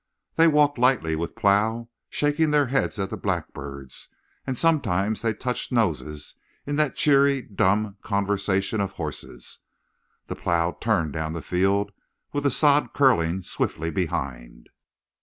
They walked lightly with plow, shaking their heads at the blackbirds, and sometimes they touched noses in that cheery, dumb conversation of horses. The plow turned down the field with the sod curling swiftly behind.